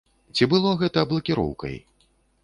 Ці было гэта блакіроўкай?